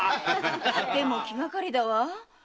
でも気がかりだわ。